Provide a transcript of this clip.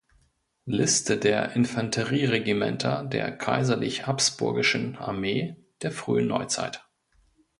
Liste der Infanterieregimenter der kaiserlich-habsburgischen Armee der Frühen Neuzeit